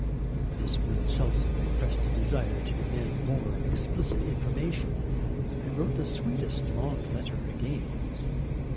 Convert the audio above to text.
Miss Winchelsea repressed a desire to demand more explicit information, and wrote the sweetest long letter again.